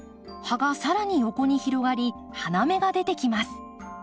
葉が更に横に広がり花芽が出てきます。